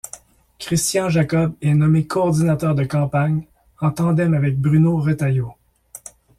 Christian Jacob est nommé coordinateur de campagne, en tandem avec Bruno Retailleau.